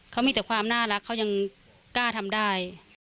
เขามีแต่ความน่ารักเขายังกล้าทำได้